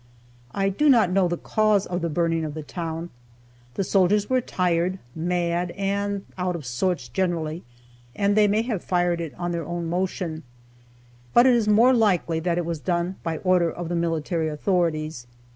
I do not know the cause of the burning of the town. The soldiers were tired, mad, and out of sorts generally, and they may have fired it on their own motion, but it is more likely that it was done by order of the military authorities.